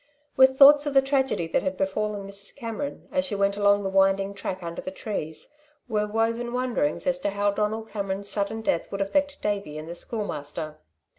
With thoughts of the tragedy that had befallen Mrs. Cameron, as she went along the winding track under the trees, were woven wonderings as to how Donald Cameron's sudden death would affect Davey and the Schoolmaster.